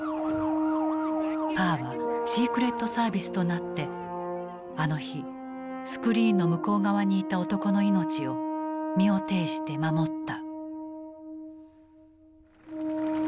パーはシークレットサービスとなってあの日スクリーンの向こう側にいた男の命を身をていして守った。